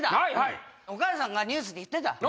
お母さんがニュースで言ってた。